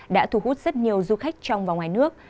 đã thu hút rất nhiều du khách trong và ngoài nước